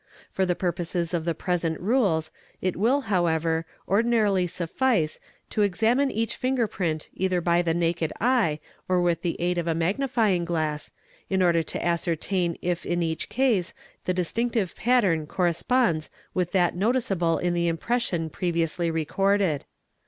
For the purposes of the present rules it will, however, ordinarily suflice to examine each finger print either by the naked eye or with the aid of a magnifying glass in order to ascertain if in each case the distinctive pattern corresponds with that noticeable in the impression previously recorded.